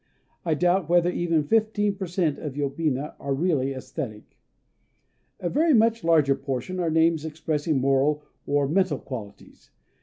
I doubt whether even fifteen per cent of yobina are really æsthetic. A very much larger proportion are names expressing moral or mental qualities.